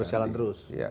terus jalan terus